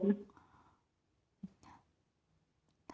ครับ